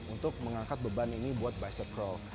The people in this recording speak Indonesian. untuk mengangkat beban ini buat bicep curl